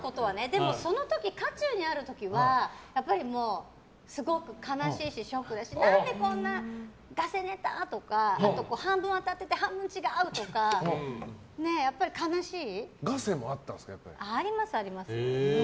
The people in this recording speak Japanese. でもその時、渦中にある時はすごく悲しいしショックだしこんなガセネタ！とかあとは、半分当たってて半分違うとか、やっぱり悲しい。